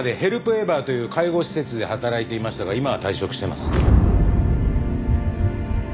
エバーという介護施設で働いていましたが今は退職してます。